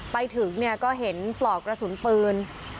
ไปถึงเนี่ยก็เห็นปลอกกระสุนปืน